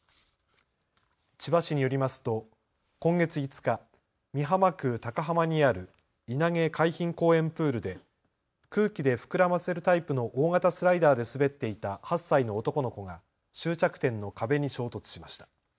千葉市によりますと今月５日、美浜区高価浜にある稲毛海浜公園プールで空気で膨らませるタイプの大型スライダーで滑っていた８歳の男の子が終着点の壁に衝突しました。